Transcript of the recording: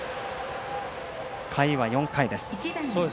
回は４回です。